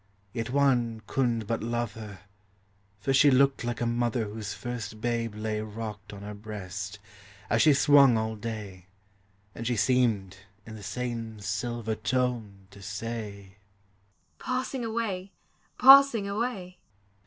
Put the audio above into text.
Yet one ^couldn't but love her, For she looked like a mother whose first babe lay Rocked on her breast, as she swung all day; And she seemed, in the same silver tone, to say, " Passing away